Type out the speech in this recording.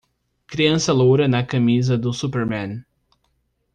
Criança loura na camisa do superman.